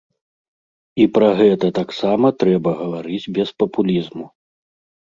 І пра гэта таксама трэба гаварыць без папулізму.